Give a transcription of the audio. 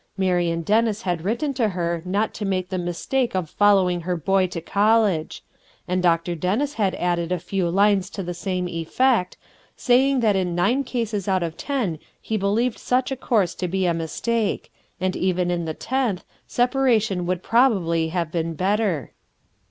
Marion Dennis had written to her not to make the mis take of following her boy to college; and Dr. Dennis had added a few linen to the same, effect, saying that in nine eases out of ten he believed such a course to be a mistake, and even in the tenth, separation would probably have been better.